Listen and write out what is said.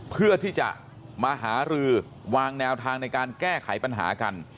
เพื่อที่จะมาหารือวางแนวทางในการแก้ไขปัญหากัน